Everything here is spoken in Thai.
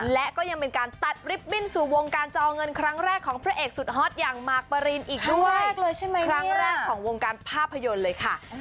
และก็ยังเป็นการตัดริบบิ้นสู่วงการจอเงินครั้งแรกของพระเอกสุดฮอตอย่างมาร์คปะรีนอีกด้วย